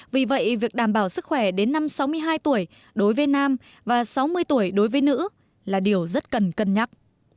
vì vậy việc đảm bảo sức khỏe đến năm sáu mươi hai tuổi đối với nam và sáu mươi tuổi đối với nữ là điều rất cần cân nhắc